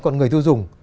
còn người tiêu dùng